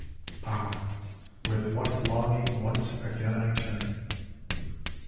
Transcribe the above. Ah, with what longing once again I turn !